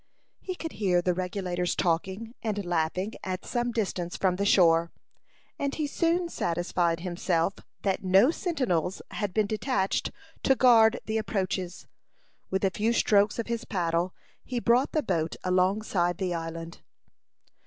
He could hear the Regulators talking and laughing at some distance from the shore, and he soon satisfied himself that no sentinels had been detached to guard the approaches. With a few strokes of his paddle, he brought the boat alongside the island.